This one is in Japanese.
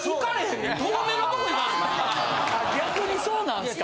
逆にそうなんですか。